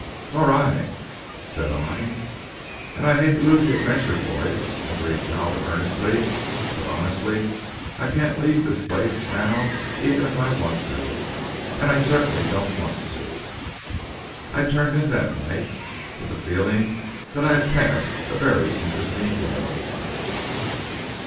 "Nor I," said I. "And I hate to lose the adventure, boys," agreed Talbot earnestly. "But, honestly, I can't leave this place now even if I want to; and I certainly don't want to." I turned in that night with the feeling that I had passed a very interesting day.